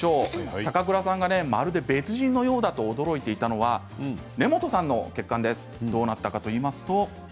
高倉さんが、まるで別人のようだと驚いていたのは根本さんの血管です。